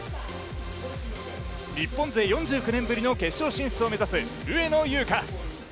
日本勢４９年ぶりの決勝進出を目指す上野優佳。